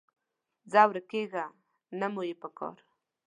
ځه ورکېږه، نه مو یې پکار